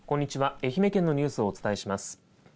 愛媛県のニュースをお伝えします。